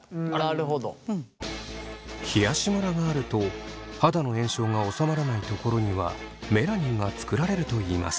冷やしムラがあると肌の炎症がおさまらない所にはメラニンが作られるといいます。